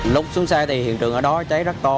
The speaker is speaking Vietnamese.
lúc xuống xe thì hiện trường ở đó cháy rất to